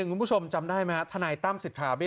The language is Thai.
ส่วนบุคคลที่จะถูกดำเนินคดีมีกี่คนและจะมีพี่เต้ด้วยหรือเปล่า